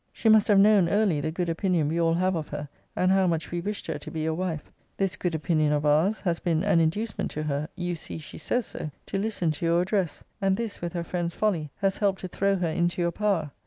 She must have known early the good opinion we all have of her, and how much we wished her to be your wife. This good opinion of ours has been an inducement to her (you see she says so) to listen to your address. And this, with her friends' folly, has helped to throw her into your power.